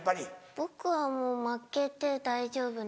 僕はもう負けて大丈夫。